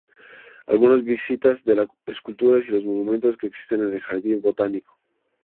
Algunas vistas de las esculturas y los monumentos que existen en el jardín botánico.